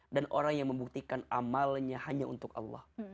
dan orang yang membuktikan amalnya hanya untuk allah